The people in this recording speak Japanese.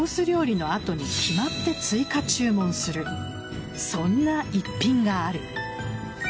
料理の後に決まって追加注文するそんな逸品がある。